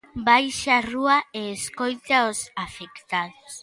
Baixe á rúa e escoite aos afectados.